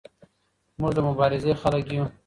موږ د مبارزې خلک یو.